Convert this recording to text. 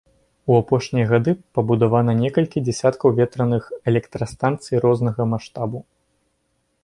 У апошнія гады пабудавана некалькі дзясяткаў ветраных электрастанцый рознага маштабу.